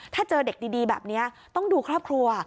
ถ้าเจอเด็กดีแบบนี้ต้องดูครอบครัว